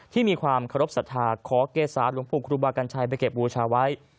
ที่มีความเคารพสัทธาขอเกษาหลวงปู่ครูบากัญชัยไปเก็บบูชาไว้